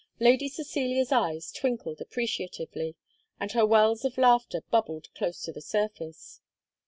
Lady Cecilia's eyes twinkled appreciatively, and her wells of laughter bubbled close to the surface.